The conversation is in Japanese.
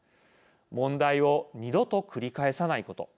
問題を二度と繰り返さないこと。